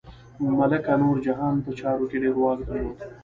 ملکه نورجهان په چارو کې ډیر واک درلود.